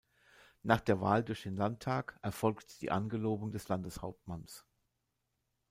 Nach der Wahl durch den Landtag erfolgt die Angelobung des Landeshauptmanns.